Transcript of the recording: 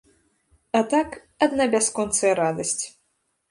А так, адна бясконцая радасць.